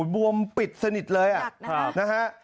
บวมปิดสนิทเลยนะฮะ